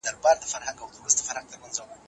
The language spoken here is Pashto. اقتصادي خوځښت به بې وزلي نوره زیاته نه کړي.